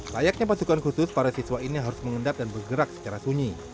layaknya pasukan khusus para siswa ini harus mengendap dan bergerak secara sunyi